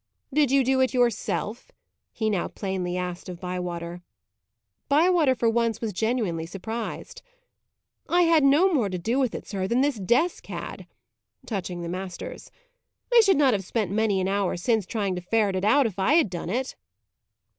"Did you do it yourself?" he now plainly asked of Bywater. Bywater for once was genuinely surprised. "I had no more to do with it, sir, than this desk had," touching the master's. "I should not have spent many an hour since, trying to ferret it out, if I had done it."